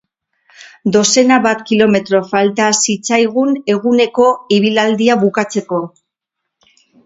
Dozena bat kilometro falta zitzaigun eguneko ibilaldia bukatzeko.